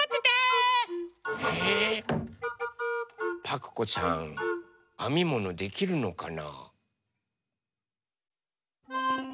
パクこさんあみものできるのかな？